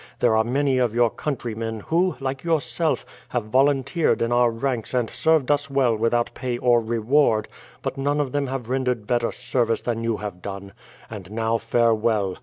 There are many of your countrymen, who, like yourself, have volunteered in our ranks and served us well without pay or reward, but none of them have rendered better service than you have done. And now farewell.